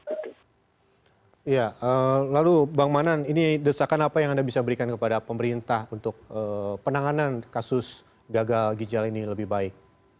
iya lalu bang manan ini desakan apa yang anda bisa berikan kepada pemerintah untuk penanganan kasus gagal ginjal ini lebih baik